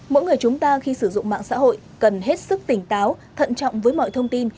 mỗi người chúng ta khi sử dụng mạng xã hội cần hết sức tỉnh táo thận trọng với mọi thông tin